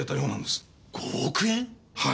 はい。